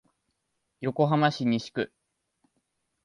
横浜市西区